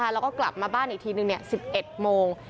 แล้วก็กลับมาบ้านอีกทีนึง๑๑โมง